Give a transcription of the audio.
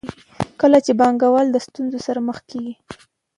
کله چې پانګوال له ستونزو سره مخ کېږي